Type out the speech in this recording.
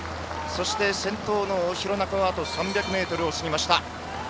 先頭の廣中は３００ｍを過ぎました。